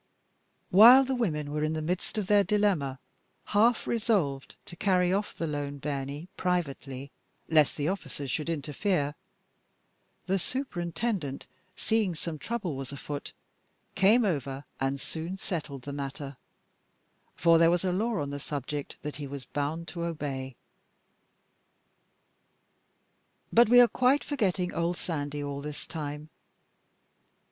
While the women were in the midst of their dilemma, half resolved to carry off the "lane bairnie" privately, lest the officers should interfere, the superintendent, seeing some trouble was afoot, came over and soon settled the matter, for there was a law on the subject that he was bound to obey. But we are quite forgetting old Sandy all this time.